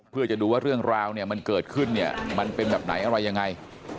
เพื่อจะดูว่าเรื่องราวเนี่ยมันเกิดขึ้นเนี่ยมันเป็นแบบไหนอะไรยังไง